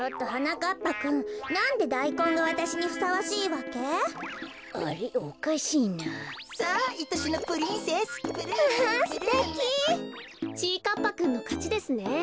かっぱくんのかちですね。